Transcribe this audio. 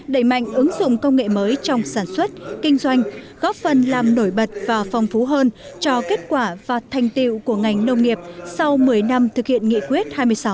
đẩy mạnh ứng dụng công nghệ mới trong sản xuất kinh doanh góp phần làm nổi bật và phong phú hơn cho kết quả và thành tiệu của ngành nông nghiệp sau một mươi năm thực hiện nghị quyết hai mươi sáu